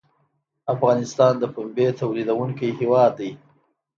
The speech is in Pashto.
افغانستان د پنبې تولیدونکی هیواد دی